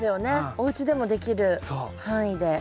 おうちでもできる範囲で。